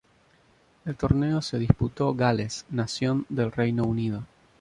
El torneo se disputó Gales, nación del Reino Unido.